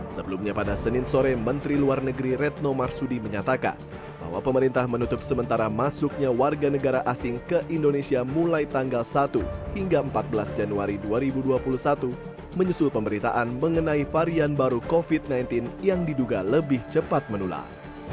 sebelumnya pada senin sore menteri luar negeri retno marsudi menyatakan bahwa pemerintah menutup sementara masuknya warga negara asing ke indonesia mulai tanggal satu hingga empat belas januari dua ribu dua puluh satu menyusul pemberitaan mengenai varian baru covid sembilan belas yang diduga lebih cepat menular